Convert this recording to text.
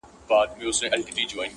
ته جرس په خوب وینه او سر دي ښوروه ورته،